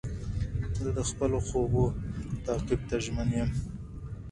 زه د خپلو خوبو تعقیب ته ژمن یم.